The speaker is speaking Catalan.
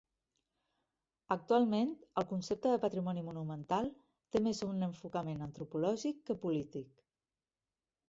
Actualment, el concepte de patrimoni monumental té més un enfocament antropològic que polític.